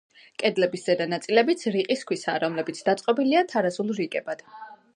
კედლების ზედა ნაწილებიც რიყის ქვისაა, რომლებიც დაწყობილია, თარაზულ რიგებად.